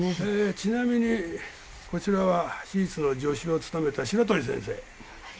ちなみにこちらは手術の助手を務めた白鳥先生